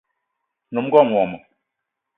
Nyom ngón wmo